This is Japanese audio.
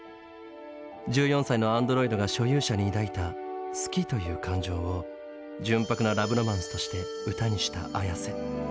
１４歳のアンドロイドが所有者に抱いた「好き」という感情を純白なラブロマンスとして歌にしたＡｙａｓｅ。